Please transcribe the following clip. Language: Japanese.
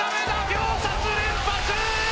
秒殺連発！